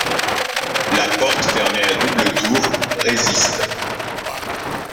La porte fermée à double tour, résiste.